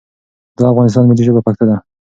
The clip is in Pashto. دا افغانستان ملی ژبه پښتو ده